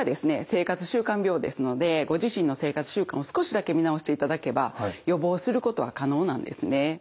生活習慣病ですのでご自身の生活習慣を少しだけ見直していただけば予防することは可能なんですね。